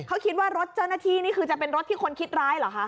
เขาคิดว่ารถเจ้าหน้าที่นี่คือจะเป็นรถที่คนคิดร้ายเหรอคะ